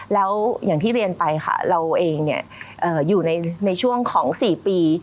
แล้วอย่างที่เรียนไปค่ะเราเองอยู่ในช่วงของ๔ปี